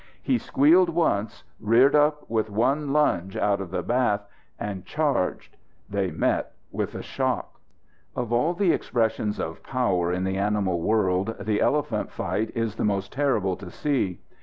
He squealed once, reared up with one lunge out of the bath and charged. They met with a shock. Of all the expressions of power in the animal world, the elephant fight is the most terrible to see.